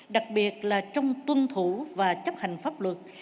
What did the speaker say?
đặc biệt là trong tuân thủ và chấp hành pháp luật